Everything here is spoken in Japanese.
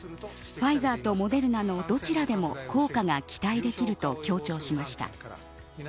ファイザーとモデルナのどちらでも効果が期待できると強調しました。